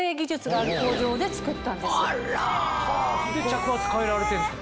あら！で着圧変えられてんですか。